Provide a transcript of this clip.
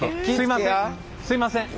すいません。